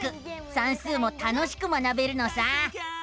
算数も楽しく学べるのさ！